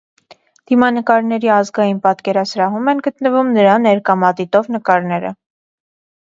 Դիմանկարների ազգային պատկերասրահում են գտնվում նրա ներկամատիտով նկարները։